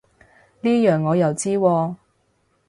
呢樣我又知喎